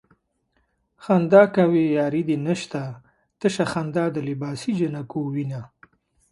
خندا کوې ياري دې نشته تشه خندا د لباسې جنکو وينه